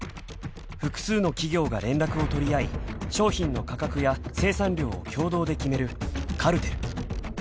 ［複数の企業が連絡を取り合い商品の価格や生産量を共同で決めるカルテル］